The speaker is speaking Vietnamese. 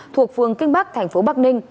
thuộc phương kinh bắc tp bắc ninh